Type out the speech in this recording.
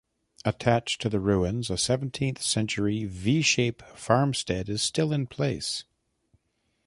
Attached to the ruins, a seventeenth-century v-shape farmstead is still in place.